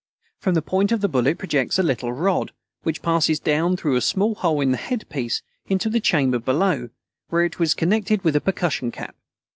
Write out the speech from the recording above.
From the point of the bullet projects a little rod, which passes down through a small hole in the head piece into the chamber below, where it was connected with a percussion cap.